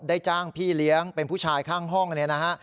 จ้างพี่เลี้ยงเป็นผู้ชายข้างห้องเนี่ยนะฮะ